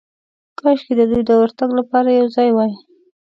کاشکې د دوی د ورتګ لپاره یو ځای وای.